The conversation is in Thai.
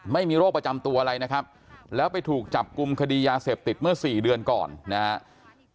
ไม่มีโรคประจำตัวอะไรนะครับแล้วไปถูกจับกลุ่มคดียาเสพติดเมื่อสี่เดือนก่อนนะครับ